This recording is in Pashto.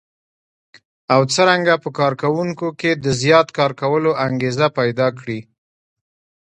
او څرنګه په کار کوونکو کې د زیات کار لپاره انګېزه پيدا کړي.